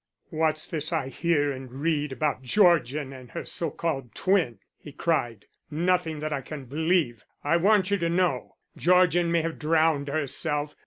"What is this I hear and read about Georgian and her so called twin?" he cried. "Nothing that I can believe, I want you to know. Georgian may have drowned herself.